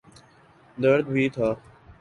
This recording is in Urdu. درد بھی تھا۔